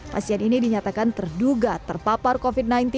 pasien ini dinyatakan terduga terpapar covid sembilan belas